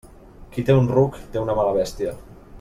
Qui té un ruc, té una mala bèstia.